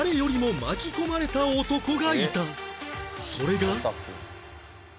それが